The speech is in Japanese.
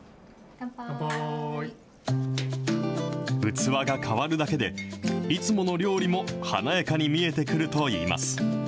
器が変わるだけで、いつもの料理も華やかに見えてくるといいます。